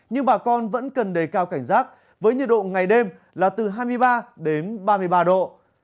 nhưng bà con vẫn cần đề cao cảnh giác với nhiệt độ ngày đêm là từ hai mươi ba đến ba mươi ba độ